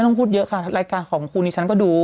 ต้องพูดเยอะค่ะรายการของคุณดิฉันก็ดู